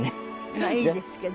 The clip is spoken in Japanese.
まあいいですけど。